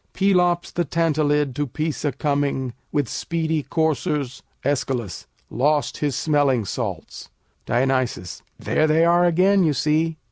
Pelops the Tantalid to Pisa coming With speedy coursers Æsch. lost his smelling salts. Dion. There they are again, you see.